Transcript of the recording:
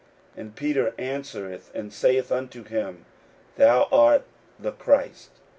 And Peter answereth and saith unto him, Thou art the Christ.